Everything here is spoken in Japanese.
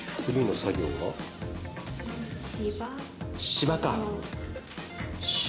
芝か。